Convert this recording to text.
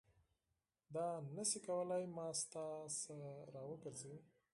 دا نه شي کولای ما ستا څخه راوګرځوي.